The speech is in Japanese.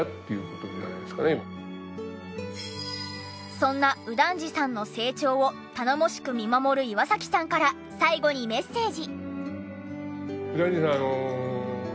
そんな右團次さんの成長を頼もしく見守る岩崎さんから最後にメッセージ。